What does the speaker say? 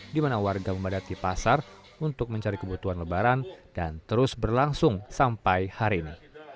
di mana warga memadati pasar untuk mencari kebutuhan lebaran dan terus berlangsung sampai hari ini